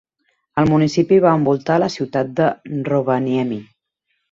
El municipi va envoltar la ciutat de Rovaniemi.